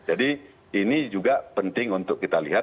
jadi ini juga penting untuk kita lihat